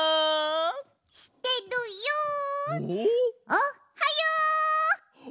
おっはよ！